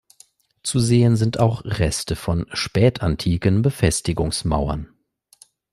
Zu sehen sind auch Reste von spätantiken Befestigungsmauern.